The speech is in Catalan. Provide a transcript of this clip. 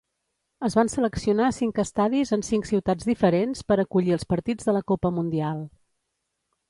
Es van seleccionar cinc estadis en cinc ciutats diferents per acollir els partits de la Copa Mundial.